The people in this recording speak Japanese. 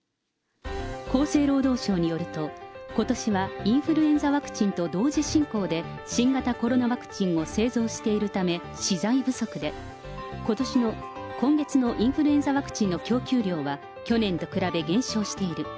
厚生労働省によると、ことしはインフルエンザワクチンと同時進行で、新型コロナワクチンを製造しているため、資材不足で、今月のインフルエンザワクチンの供給量は、去年と比べ減少している。